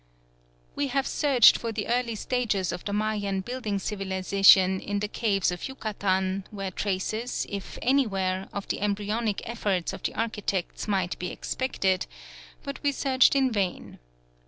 We have searched for the early stages of the Mayan building civilisation in the caves of Yucatan, where traces, if anywhere, of the embryonic efforts of the architects might be expected, but we searched in vain.